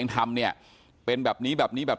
ทีมข่าวเราก็พยายามสอบปากคำในแหบนะครับ